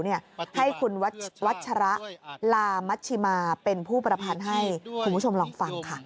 ให้คุณวัชระลามัชชิมาเป็นผู้ประพันธ์ให้คุณผู้ชมลองฟังค่ะ